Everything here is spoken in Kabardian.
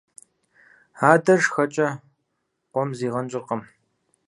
Адэр шхэкӀэ къуэм зигъэнщӀыркъым.